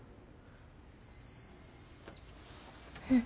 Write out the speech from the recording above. うん。